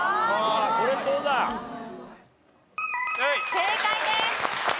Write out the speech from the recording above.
正解です。